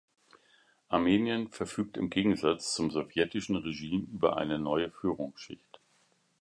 Armenien verfügt im Gegensatz zum sowjetischen Regime über eine neue Führungsschicht.